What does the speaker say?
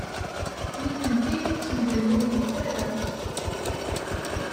Nitenti ur ttemlelluyent ara.